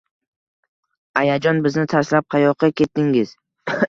Ayajon, bizni tashlab qayoqqa ketdingiz?!